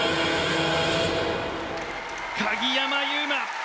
鍵山優真。